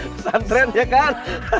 pesan tren ya kan